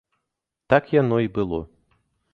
Так яно і было.